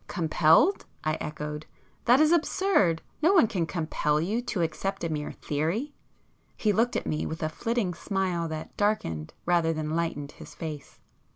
"Compelled!" I echoed—"That is absurd—no one can compel you to accept a mere theory." He looked at me with a flitting smile that darkened rather than lightened his face.